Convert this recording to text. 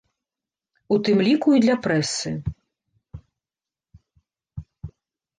У тым ліку і для прэсы.